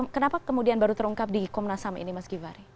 kenapa kemudian baru terungkap di komnas ham ini mas givhary